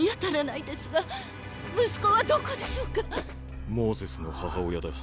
息子はどこでしょうか⁉モーゼスの母親だ。